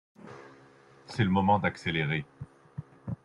C’est le moment d’accélérer.